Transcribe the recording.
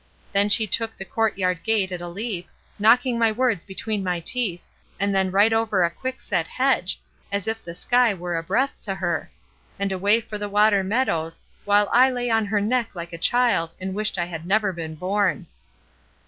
Then she took the courtyard gate at a leap, knocking my words between my teeth, and then right over a quick set hedge, as if the sky were a breath to her; and away for the water meadows, while I lay on her neck like a child, and wished I had never been born.